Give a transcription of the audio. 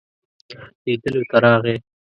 لیدلو ته راغی.